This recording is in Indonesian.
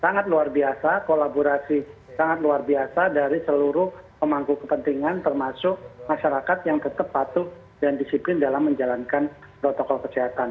sangat luar biasa kolaborasi sangat luar biasa dari seluruh pemangku kepentingan termasuk masyarakat yang tetap patuh dan disiplin dalam menjalankan protokol kesehatan